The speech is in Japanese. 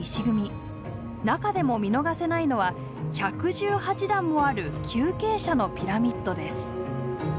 中でも見逃せないのは１１８段もある急傾斜のピラミッドです。